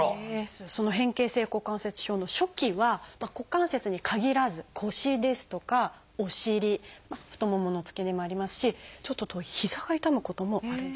その変形性股関節症の初期は股関節に限らず腰ですとかお尻太ももの付け根もありますしちょっと遠いひざが痛むこともあるんだそうです。